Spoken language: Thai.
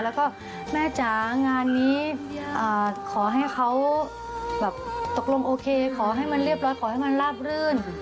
แล้วก็แม่จ๋างานนี้ขอให้เขาแบบตกลงโอเคขอให้มันเรียบร้อยขอให้มันลาบรื่น